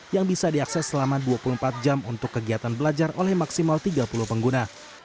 yang bisa diakses selama dua puluh empat jam untuk kegiatan belajar oleh maksimal tiga puluh pengguna